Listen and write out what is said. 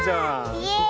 イエーイ！